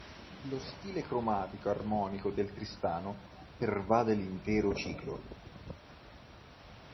Lo stile cromatico-armonico del "Tristano" pervade l'intero ciclo.